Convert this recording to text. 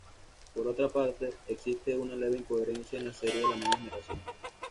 Por otra parte, existe una leve incoherencia en la serie de La Nueva Generación.